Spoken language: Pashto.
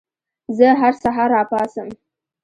زه هر سهار راپاڅم.